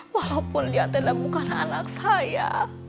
walaupun dia adalah bukan anak saya